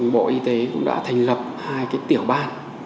bộ y tế cũng đã thành lập hai tiểu ban